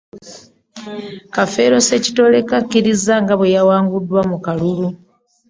Kafeero Ssekitooleko, akkiriza nga bwe yawanguddwa mu kalulu